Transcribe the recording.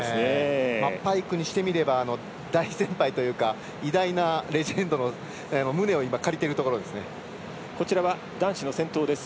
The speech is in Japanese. パイクにしてみれば大先輩というか偉大なレジェンドの胸を男子の先頭です。